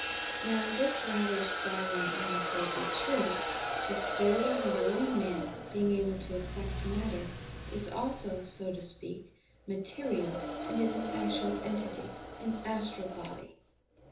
Now, if this rather staggering anecdote be true, the spirit of a living man, being able to affect matter, is also, so to speak, material and is an actual entity, an astral body.